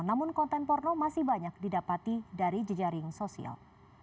namun konten porno masih banyak didapati dari jejaring sosial